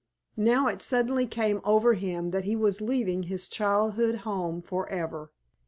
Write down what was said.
Now it suddenly came over him that he was leaving his childhood home forever.